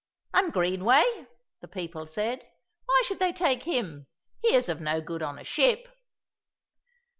"And Greenway," the people said. "Why should they take him? He is of no good on a ship."